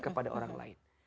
kepada orang lain